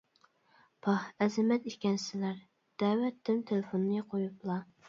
«پاھ، ئەزىمەت ئىكەنسىلەر! » دەۋەتتىم، تېلېفوننى قويۇپلا.